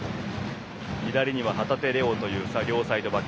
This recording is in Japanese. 左には旗手怜央という両サイドバック。